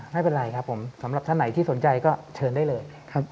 ไม่เป็นไรครับผมสำหรับท่านไหนที่สนใจก็เชิญได้เลยครับ